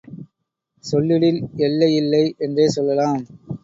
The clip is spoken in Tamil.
சொல்லிடில் எல்லை இல்லை என்றே சொல்லலாம்.